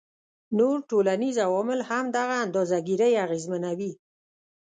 نور ټولنیز عوامل هم دغه اندازه ګيرۍ اغیزمنوي